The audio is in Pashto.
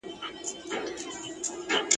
سر پر سر خوراک یې عقل ته تاوان دئ !.